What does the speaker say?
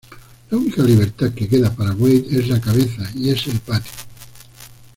La única libertad que queda para Wade es la cabeza y es el patio.